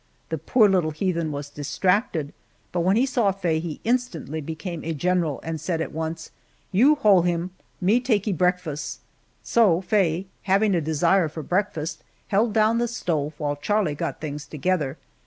The poor little heathen was distracted, but when he saw Faye he instantly became a general and said at once, "You hole ee him me takee bleckfus." So Faye having a desire for breakfast, held down the stove while Charlie got things together.